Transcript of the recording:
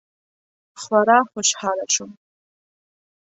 خورا خوشحاله وم.